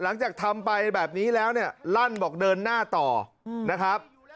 หลังจากทำไปแบบนี้แล้วเนี่ยลั่นบอกเดินหน้าต่อนะครับ